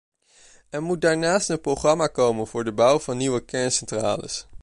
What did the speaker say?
Er moet daarnaast een programma komen voor de bouw van nieuwe kerncentrales.